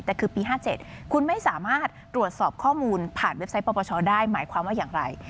แต่คือปี๕๗คุณไม่สามารถตรวจสอบข้อมูลผ่านเว็บไซต์ปปชได้หมายความว่าอย่างไร